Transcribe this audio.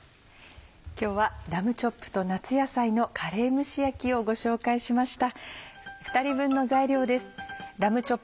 今日はラムチョップと夏野菜のカレー蒸し焼きをご紹介しました。